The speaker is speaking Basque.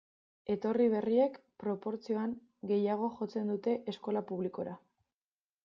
Etorri berriek, proportzioan, gehiago jotzen dute eskola publikora.